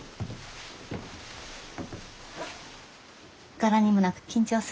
柄にもなく緊張するんだ。